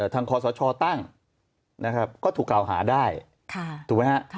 ทางขศชอตั้งก็ถูกอาหารหาได้